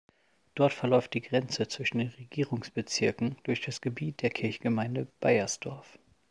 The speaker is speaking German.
Dort verläuft die Grenze zwischen den Regierungsbezirken durch das Gebiet der Kirchengemeinde Baiersdorf.